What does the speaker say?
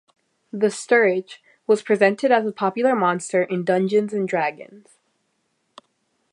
The "Stirge" was presented as a popular monster in Dungeons and Dragons.